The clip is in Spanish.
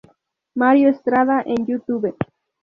Mario Estrada en Youtube